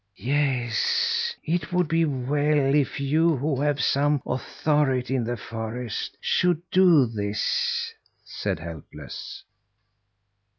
"Yes, it would be well if you who have some authority in the forest should do this," said Helpless.